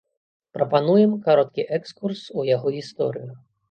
Прапануем кароткі экскурс у яго гісторыю.